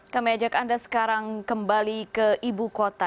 kami ajak anda sekarang kembali ke ibu kota